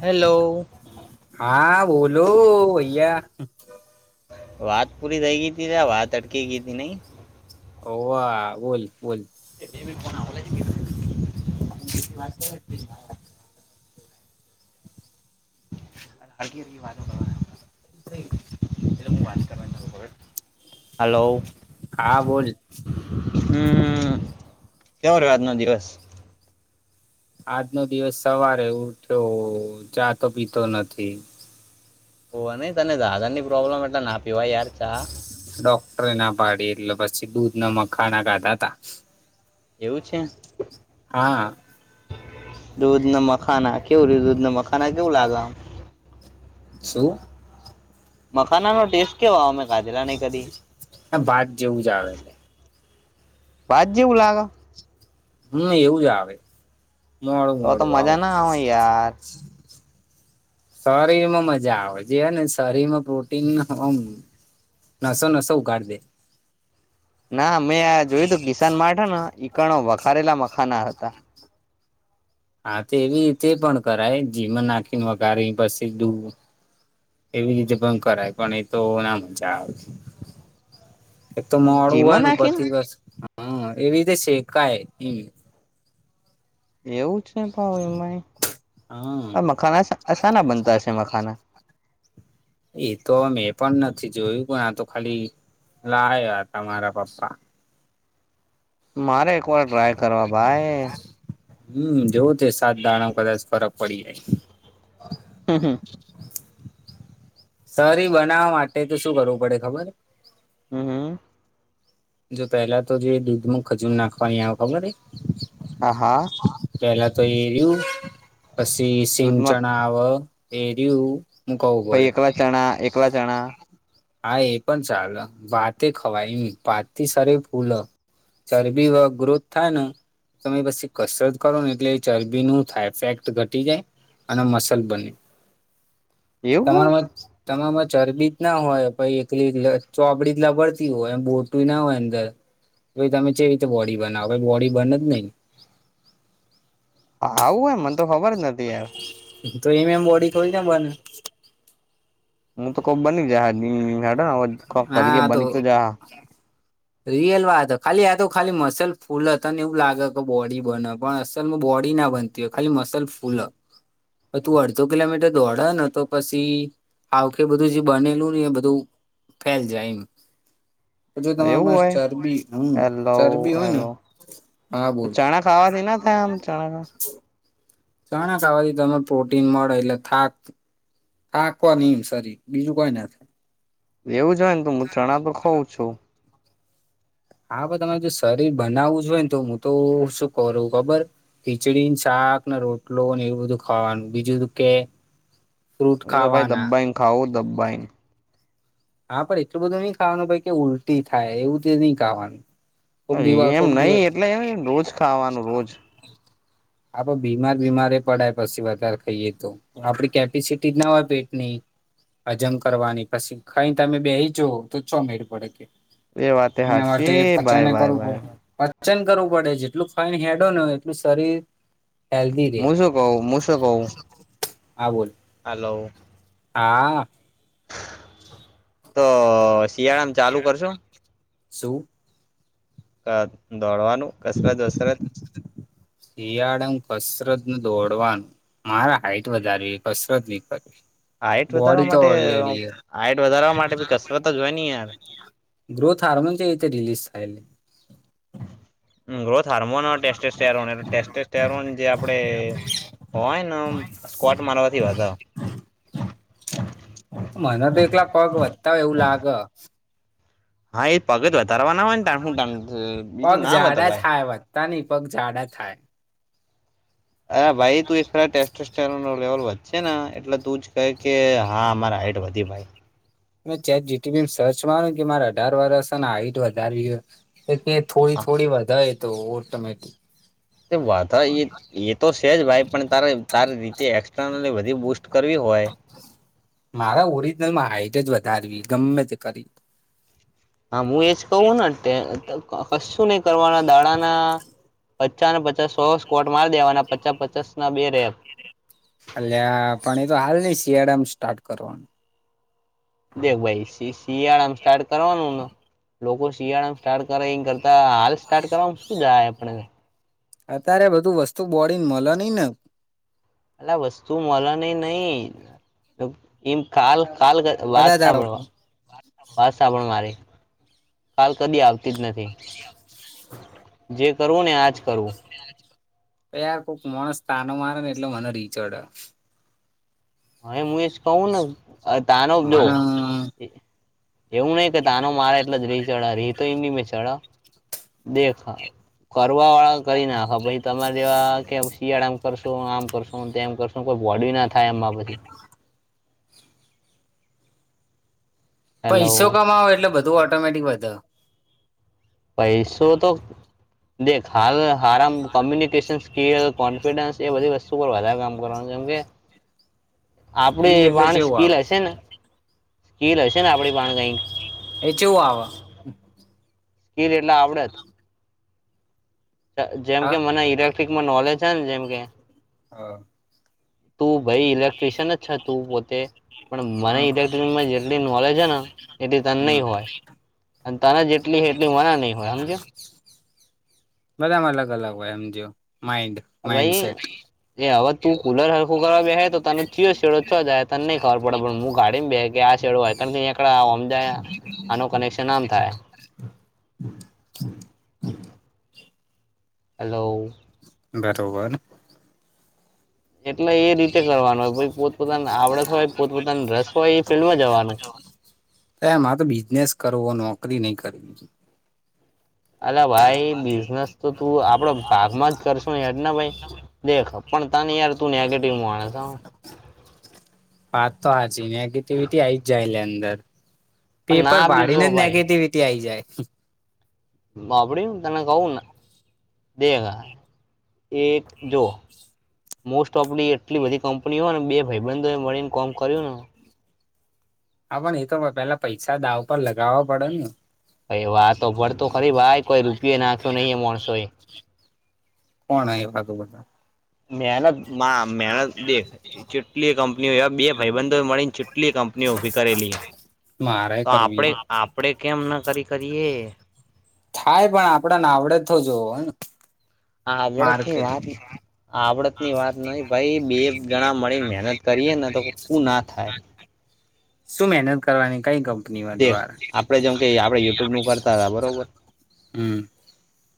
Hello હા બોલો ભૈયા વાત પૂરી થઈ ગઈ તી ત્યા વાત અટકી ગઈ હતી નઈ ઓ વા બોલ બોલ [unintelligible] [unintelligible] હાલો હા બોલ હમ કેવો રહ્યો આજનો દિવસ આજનો દિવસ સવારે ઉઠ્યો ચાતો પીતો નથી. હો નહી તને દાદર ની પ્રોબ્લેમ એટલે ના પીવા યાર ચા ડોક્ટરે ના પાડી એટલે પછી દૂધ ને મખાણા ગાધા તા એવું છે હા દૂધ ને મખાના કેવું રયુ દૂધ ના મખાના કેવું લાગે આમ શું. મખાના નો ટેસ્ટ કેવો આવે અમે ખાધલા નહી કદી હ ભાત જેવું જ આવે ભાત જેવું લાગે હા એવું જ આવે. મોડું તો તો મોડું આવ. મજા ના આવે યાર શરીર માં મજા આવે છે હ ને શરીર માં પ્રોટીન. નસો નસો ઉગાડ દે. ના મે આ જોયું તું કિસાન માટૅ હેના ઈકણો વખારેલા મખાના. હતા હા તો એવી રીતે પણ કરાય જીમન નાખીને વગારી પછી સીધુ એવી રીતે પણ કરાય પણ એ તો ના મજા આવે. એક તો મોડું હોય ઘીમાં ને નાખીને ઉપરથી બસ હ એવી રીતે શેકાય ઇ. એવું છે ભાવ ઓનલાઇન હા આ મખાના સાના બનતા હશે મખાના હ [unintelligible] એ તો મેં પણ નથી જોયું પણ આ તો ખાલી લાયા તા મારા પપ્પા મારે એક વાર ટ્રાય કરવા ભાઈ. હમ જોવો તો સાત દાણા કદાચ ફરક પડી જાય. હું હું. સરરી બનાવા માટે તે શું કરવું પડે ખબર હે. હમ હમ. જો પેલા તો જે દુધમાં ખજૂર નાખવાની આ ખબર હે. હા હા. પેલા તો એર્યું પછી સિંગ દૂધમાં ચણા આવ. એરયુ હું કવ ઊભો રે. બ જણા હા એ પણ ચાલ, ભાત એ ખવાય ની ભાત થી શરીર ફૂલ ચરબી વા ગ્રોથ થાય ને તમે પછી કસરત કરો ને એટલે ચરબી નું થાય ફેક્ટ ઘટી જાય અને મસલ બને. [inaudible] હોય તમારામાં તમારામાં ચરબી જ ના હોય પ એકલી એકલી ચોપડી લબડતી હોય એ બોટું ના હોય અંદર તો તમે છેવી રીતે બોડી બનાવો બોડી બને જ નહી. આવું હોય મન તો ખબર જ નથી એમ. તો એમ એમ બોડી થોડી ન બને. હું તો કોક બની જાહે ક કરી બની તો જાહે. રિયલ વાત ખાલી હ આ તો ખાલી મસલ ફૂલ તને એવું લાગે કે બોડી બન પણ અસલમાં બોડી ના બન ખાલી મસલ ફૂલ, તું અડધો કિલોમીટર દોડ ને તો પછી આ વખ બધું જે બનેલું ને એ બધું ફેલ જાય એમ તો જો એવું તમારામાં હોય ચરબી હમ હેલો ચરબી હોય ને હેલો હા તો બોલ ચણા ખાવાથી ના થાય આમ ચણા ચણા ખાવાથી તમને પ્રોટીન મળે એટલે થાક થા કવા ની સરી બીજું કોઈ ના થાય. એવું જ હોય ને, તો મુ ચણા તો ખઉં છું. હા પણ તમારે જો શરીર બનાવવું જ હોય ને તો, હું તો શું કરું ખબર? ખીચડીને શાક, રોટલો એવું બધું ખાવાનું બીજું કે ફ્રૂટ એ તો ભાઈ ખાવાના દબ્બાાઈ ખાઓ દબ્બાાઈને. હા પણ એટલું બધું નઈ ખાવાનું ક‌ઇ કે ઉલટી થાય એવું તે નઈ ખાવાનું. કોક દિવા એમ કોક દિવ નહિ એટલે રોજ ખાવાનું રોજ. આપ બીમાર બીમારે પડાય પછી વધારે ખાઈએ તો. આપડી કેપેસિટી જ ના હોય પેટની હજમ કરવાની પછી ખાઈ તમે બેહી જ તો છો મેળ પડે કે એ વાતે એના માટે સાચી ભાઈ પચાને ભાઈ કરું ભાઈ પણે પાચન કરવું પડે જેટલું ખાઈન હેડો ન હોય એટલું શરીર હેલ્ધી રે, હું શું કઉ હું હા બોલ હલો. આ તો શિયાળામ ચાલુ કરશુ? શું? દોડવાનું, કસરત વસરત શિયાળમાં કસરતને, દોડવાનું. મારા હાઈટ વધારવી કસરત ની કરવી. હાઈઇટ વધારવા બોડી તો માટે ઓલરેડી હાઈટ વધારવા માટે બી કસરત જ હોય નની યાર ગ્રોથ હાર્મોન છે રિલીઝ થય છે ગ્રોથ હાર્મોન ટેસ્ટેરોનલે ટેસ્ટ સરોન જે આપડે હો હોય ને સ્કવટ મારવાથી વધ મને તો એકલા પગ વધતા હોય એવું લાગ હા એ પગ જ વધારવા ના હોય ને બીજું ના વધ ભય તાની પગ જાડા થાય. અરે ભાઈ તું એ ટેસ્ટસ્ટ્રોન લેવલ વધશે ને એટલે તું જ કહે કે હા અમારા હાઈટ વધી ભાઈ. મે ચેટજીપીટી મ સર્ચ માર્યું કે મારે અઢાર વર્ષ હાઈટ વધારવી હ એ થોડી હા થોડી વધારે તો ઓટોમેટિક એ વધ ઈ એ તો છે જ ભાઈ પણ તારે તારી રીતે એક્સ્નલી બધી બુસ્ટ કરવી હોય, મારા ઓરિજનલમાં હાઈટ જ વધારવી ગમે તે કરી હા હું એજ કવું ને કશું નહી કરવાના દાડાના પચાસને પચાસ સો સ્કોટ માર દેવાના પચાસ પચાસ ના બે રેપ એલે પણ એ તો હાલ નઈ શિયાળામાં સ્ટાર્ટ કરવાનું દેખ ભાઈ શિયાળામાં સ્ટાર્ટ કરવાનું ને લોકો શિયાળા સ્ટાર્ટ કરે એ કરતા હાલ સ્ટાર્ટ કરવા શું જાય આપણે અત્યારે બધું વસ્તુ બોડીને મળે નઈ ને. અ વસ્તુ મળ ન નઈ એમ કાલ કાલ વાત કદાચ સાંભળવા વાત સાંભળ મારી કાલ કદી આવ જે કરવું ને આજ કરવું [unintelligible] યાર કોઈક મોણસ તાનો મારે ને એટલે મને રીહ ચડ હ હા હું એજ કહું ને તાનો જો મને એવું નહીિકે તાનો મારા એટલે જ રીહ ચઢા રીહ તો એમ નહી મે ચઢ દેખા કરવા વાળા કરી નાખા પછ તમારે જેવા કે શિયાળામ કરશો આમ કરશું તેમ કરશું કોઈ બોડી ના થાય માં હેલો પઈસો કમાંવો એટલે બધું ઓટોમેટિક વધ પૈસો તો દેખ હાલ આરામ કોમ્યુનિકેશન સ્કીલ કોન્ફિડન્સ એ બધી વસ્તુ પર વધારે કામ કરવાનું કેમ કે આપડી કીલ એટલે બાણ ચેવું સ્કીલ આવે હશે ને સ્કીલ હશે ને આપડી બાણ કઈક એ ચેવું આવ? કીલ એટલે આવડેત. જેમ કે હા મને ઇલેક્ટ્રિકમાં નોલેજ છે ને જેમ કે હા તું ભાઈ ઇલેક્ટ્રિશિયન જ છે તું પોતે પણ મને હ ઇલેક્ટ્રશન એટ નોલેજ હ ને એલી ત નહી હમ હોય તને જેટલી એટલી મને નહી હોય સમજ બધામાં અલગ અલગ હોય એમ જો માઇન્ડ. ભાઈ એ હવે તું કુલર હરખું કરવા બે્હે તો તને ચિયો શેડો- જાય તને નહી ખબર પડે પણ હું ગાડીને બે કે આ છેેડો હોય ત ત એકકડામજાય આનું કનેક્શન આમ થાય. હલો બરોબર એટલે એ રીતે કરવાનું હોય ભ પોતપોતાની આવડત હોય પોતપોતાના રસ હોય એ ફિલ્ડમાં જવાનું એમાં તો બિઝનેસ કરવું હો નોકરી નહી કરવીી અલા ભાઈ બિઝનેસ તો તું આપડ ભાગમાં જ કરશુ ને હેજના ભાઈ દેખ પણ ત ન યાર તુંને આ કે ટીમું આના વાત તો હ જ નેગેટિવિટી આઈ જ જાય લ અંદર પણ પેપર ના બી જો ભાડીને જ ભાઈ નેગેટિવિટી આઈ જાય બાપડી તને કહું દેગા એક જો મોસ્ટ ઓફલી એટલી બધી કંપની હોય ને બે ભાઈબંધોને મળીને કોમ કર્યું ને હા પણ એ તો પેલા પૈસા દાવ પર લગાવવા પડે ને ભ વાતો પડતું ખરી ભાઈ કોઈ રૂપિયો નાખ્યો નહી માણસો કોણ એ વા તો બધા મહેનત મા મહેનત દેખે ચટલી કંપનીઓ એ બે ભાઈબંધો મળીને ચૂટલી કંપનીઓ ઉઊભી કરેલી મારે તો કરવી આપડે આપડે કેમ ન કરી કરીએ થાય પણ આપડને આવડે તો જોવો હો ને હ આડ વાત આવડત ની વાત નહ ભાઈ બે જણા મળીને મહેનત કરીએે ને તોકું ના થાય શું મહેનત કરવાની કઈ ગમ દેખ આપડે જેમ કે આપડે યુટ્યુબ નું કરતા હતા બરોબર હમ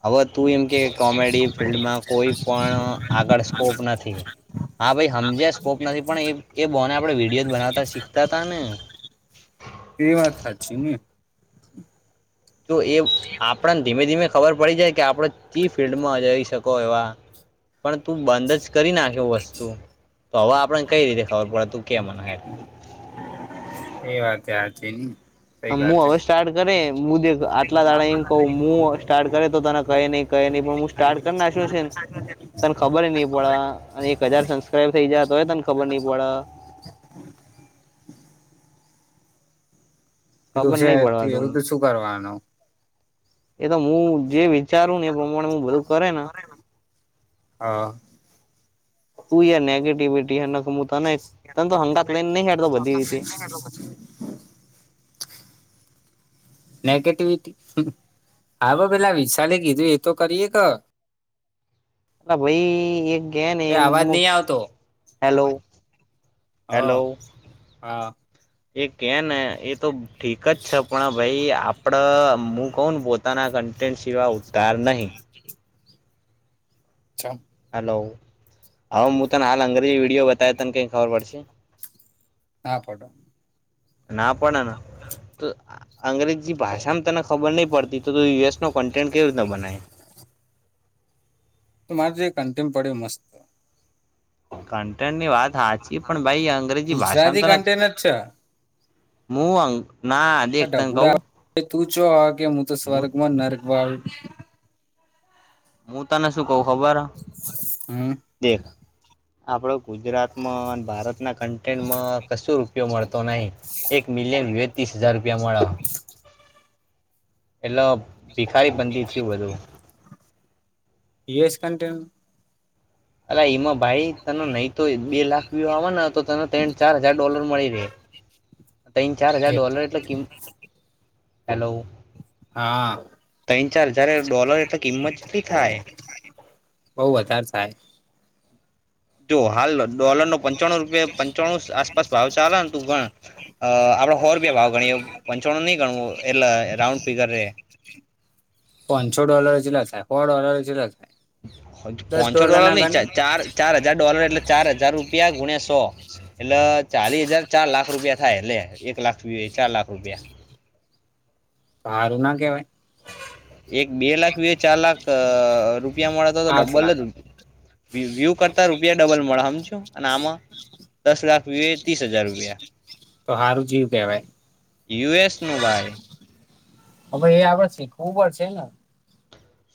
હવે તું એમ કે કોમેડી ફિલ્િલ્ડમાં કોઈ પણ આગળ સ્કોપ નથી હા ભાઈ સમજ્યા સ્કોપ નથી પણ એ એ બોને આપડે વિડીયો બનાવતા શીખતા હતાા ને તે વાત સાચી ને તો એ આપણને ધીમે ધીમે ખબર પડી જાય કે આપણે ચી ફિલ્ડમાં જઈ શકો એવા પણ તું બંધ જ કરી નાખે કે વસ્તુ તો હવે આપણે કઈ રીતે ખબર પડે તું કે મે એ વાત તે સાચી સઈ હું વાત છે. હવે સ્ટાર્ટ કરે હું આટલા દાડા એમ કહું હું સ્ટાર્ટ કરે તો તને કહે નહી કહે નહી પણ સ્ટાર્ટ કર ના શું છે ને તને ખબર નહી પડ અને એક હજાર સબસ્ક્રાઈબ થઈ જ તો તોય તને કબડ્ડી બોળા કીધું ખબર છે નહી પડવા એથી દઉં એવું તો શું કરવાનું એ તો હું જે વિચારું ને એ પ્રમાણે બધું કરે ને હા કું નેગેટિવિટી તને તને તો હંગાત લઈને નહી હડતો બધી રીતે [unintelligible] નેગેટિવિટી હા ભાઈ પેલા વિશાલેે કીધું એ તો કરી હકે ને ના ભાઈ એક ગયા ને એ અવાજ નહી આવતો હેલો હ હેલો હા એ કે ને એ તો ઠીક જ છે પણ ભાઈ આપણે હું કહું ને પોતાના ક તે સિવાય ઉતાર નહીં [unintelligible] અચ્છા હલો અ મૂતા ના આલંગ વિડીયો બતાવે તને કઈ ખબર પડશે ના પડો ના પડે તો અંગ્રેજી ભાષામાં તને ખબર નહીં પડતી તો યુએસનો કન્ટેન્ટ કેવી રીતના બનાય તો મારી જે કન્ટમ પડે મસ્ત કન્ટેન્ટ ની વાત સાાચી પણ ભાઈ અંગ્રેજી ભાષામાં ગુજરાતી તને કન્ટેન જ છે મુું અંગ ના હ દેખ તને ડબુડા કહું તું ચો કે હું તો સ્વર્ગમાં નરક વાળ હું તને શું કવુ ખબર હમ દેખ આપણો ગુજરાતમાં ને ભારતના કન્ટેન્ટમાં કશું ઉપયોગ મળતો નહી એક મિલિયન વે ત્રીસ હજાર રૂપિયા મળ્યા એટલે ભિખારી પંતી થયું એવું યુએસ કન્ટેન્ટ અલ્યા એમાં ભાઈ તને નહી તો એક બે લાખ વ્યુ આવે ને તો તને ત્રણ ચાર હજાર ડોલર મળી રહે અહી ચાર હજાર ડોલર એટલે કિંમ હેલો હા ત્રણ ચાર હજાર ડોલર એટલે કિંમત એટલી થાય બહ વધારે થાય જો હાલ ડોલર નો પંચાણું રૂપિયા પંચ પંચાણું આસપાસ ભાવ ચાલે ને તું ગણ અ આપણે હો રૂપિયા ભાવ ગણીએ પંચાણું નહી ગણવું એટલે એ રાઉન્ડ ફીગર રે પાંચસો ડોલર કેટલા થાય સો ડોલર કેટલા થાય દસ પાંચસો ડોલર ના નહી ચાર ગણી ચાર ચાર હજાર ડોલર એટલે ચાર હજાર રૂપિયા ગુણ્યા સો એટલે ચાલીસ હાજાર ચાર લાખ રૂપિયા થાય એટલે એક લાખ ચાર લાખ રૂપિયા હારું ના કેવાય એક બે લાખ ચાર લાખ રૂપિયા મળે તો તો આઠ ડબલ લાખ જ રે વ્યુ કરતા રૂપિયા ડબલ મળે હમજ્યો અને આમાં દસ લાખ વ્યુ ત્રીસ હજાર રૂપિયા તો સારું જીવ કહેવાય યુ એસ નુ ભાઈ હવે એ આગળ શીખું પડશે ને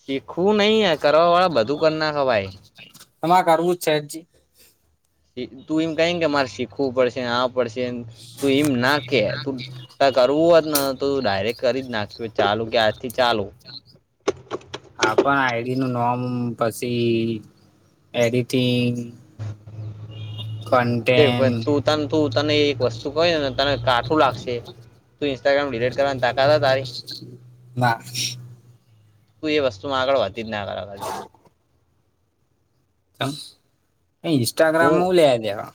શીખવું નઈ આ કરવા વાળા બધું કર ના ખે ભાઈ તમા કરવું જ છે જી તું એમ ક કે મારે શીખવું પડશે આ પડશે તું એમ ના કે ત કરવું હોત ને તો ડાયરેક્ટ કરી જ નાખી ચાલુ કે આજથી ચાલુ હા પણ આઈડી નું નોમ પછી એડિટિંગ દ કન્ટેન તુંતા તુંતાને એક વસ્તુ તું કને તને કાઠું લાગશે તું ઇન્સ્ટાગ્રામ ડિલીટ કરવાની તાકાત તારી [unintelligible] તું એ વસ્તુ માં આગળ વધતી જ ના કરાવી એમ હું ઇન્સ્ટાગ્રામમાંનુ હુ લેવા દેવા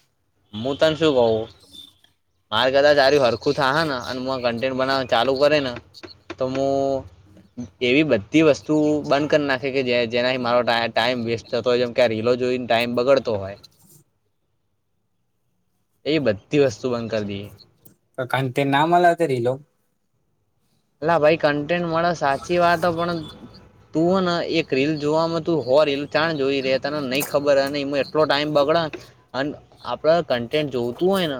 હું તને શું કઉ મારે કદા તાર હરખું થા હા ને અને કન્ટેન્ટ બનાવવા ચાલુ કરે ને તો હું એવી બધી વસ્તુ બંધ કરી નાખ કે જે જેનાથી મારો ટાઈમ વેસ્ટ થતો હોય જેમ કે આ રીલો જોઈને ટાઈમ બગડતો હોય એ બધી વસ્તુ બંધ કરી દએ કારણ તે ના મલે રીલો અ ભાઈ કન્ટેન્ટ મળે સાચી વાત પણ તું હો ને એક રીલ જોવાવામાં તું હો રીલ કયાં જોઈ રહ ત ને નહી ખબર લો ટાઈમ બગડે અને આપડ કન્ટેન્ટ જોતું હોય ને